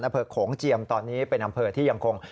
อำเภอโขงเจียมตอนนี้เป็นอำเภอที่ยังคง